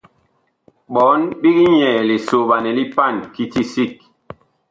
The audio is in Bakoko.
Ɓɔɔn big nyɛɛ lisoɓanɛ li paan kiti sig.